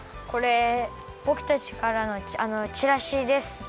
これぼくたちからのチラシです。